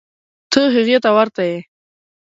ته هغې ته ورته یې.